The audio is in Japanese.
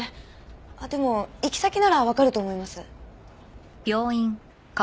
でも行き先ならわかると思います。